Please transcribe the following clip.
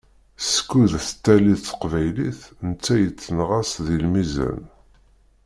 Skud tettali teqbaylit, netta yettenɣaṣ di lmizan.